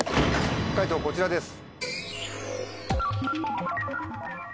解答こちらです。